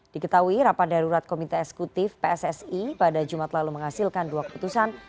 diketahui rapat darurat komite eksekutif pssi pada jumat lalu menghasilkan dua keputusan